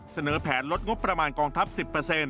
เสนอแผนลดงบประมาณกองทัพ๑๐